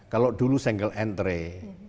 kalau dulu single entry